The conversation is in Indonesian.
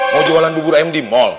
mau jualan bubur ayam di mal